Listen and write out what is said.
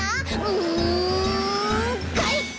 うんかいか！